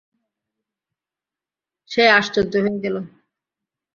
সে আশ্চর্য হয়ে গেল।